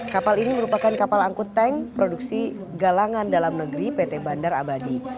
kapal ini merupakan kapal angkut tank produksi galangan dalam negeri pt bandar abadi